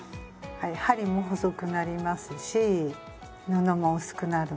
はい針も細くなりますし布も薄くなるので。